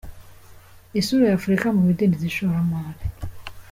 Isura ya Afurika mu bidindiza ishoramari.